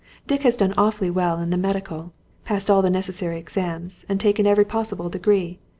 Dick has done awfully well in the medical, passed all necessary exams, and taken every possible degree.